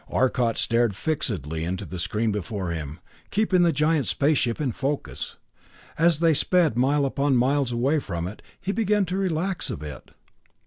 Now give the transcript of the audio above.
Arcot stared fixedly into the screen before him, keeping the giant space ship in focus. As they sped mile upon miles away from it, he began to relax a bit.